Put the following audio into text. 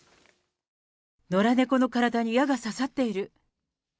野良猫の体に矢が刺さっている。